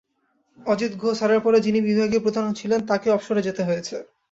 অজিত গুহ স্যারের পরে যিনি বিভাগীয় প্রধান ছিলেন তাঁকেও অবসরে যেতে হয়েছে।